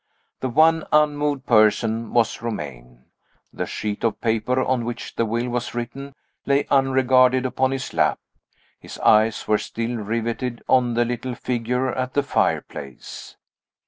The one unmoved person was Romayne. The sheet of paper on which the will was written lay unregarded upon his lap; his eyes were still riveted on the little figure at the fireplace.